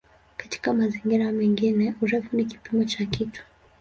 Katika mazingira mengine "urefu" ni kipimo cha kitu.